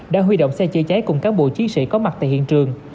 đã huy động xe chữa cháy cùng cán bộ chiến sĩ có mặt tại hiện trường